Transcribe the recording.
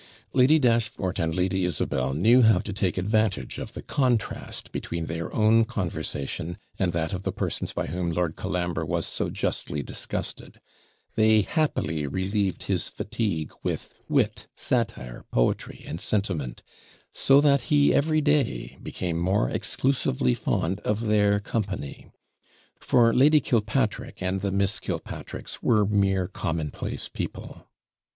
Lady Dashfort and Lady Isabel knew how to take advantage of the contrast between their own conversation, and that of the persons by whom Lord Colambre was so justly disgusted; they happily relieved his fatigue with wit, satire, poetry, and sentiment; so that he every day became more exclusively fond of their company; for Lady Killpatrick and the Miss Killpatricks were mere commonplace people.